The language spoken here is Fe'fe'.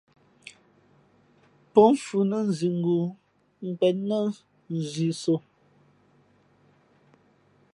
Pó mfhʉ̄ nά nzîngū nkwēn nά nzîsō .